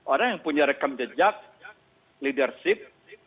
orang yang punya rekam jejak leadership